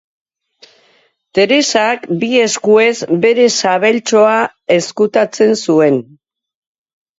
Teresak bi eskuez bere sabeltxoa ezkutatzen zuen.